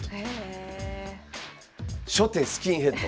初手スキンヘッド。